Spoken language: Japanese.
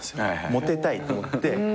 モテたいと思って。